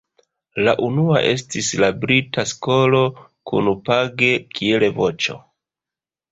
La unua estis la "brita skolo", kun Page kiel voĉo.